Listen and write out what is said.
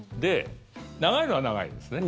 長いのは長いですね。